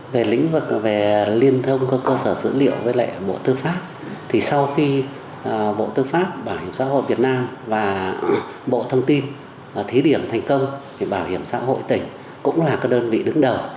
về lĩnh vực về liên thông các cơ sở dữ liệu với lại bộ tư pháp thì sau khi bộ tư pháp bảo hiểm xã hội việt nam và bộ thông tin thí điểm thành công thì bảo hiểm xã hội tỉnh cũng là đơn vị đứng đầu